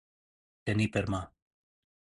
Tenir per mà.